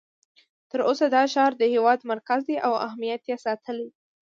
تر اوسه دا ښار د هېواد مرکز دی او اهمیت یې ساتلی.